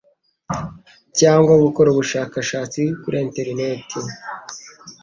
cyangwa gukora ubushakashatsi kuri interineti.